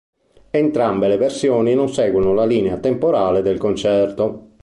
Entrambe le versioni non seguono la linea temporale del concerto.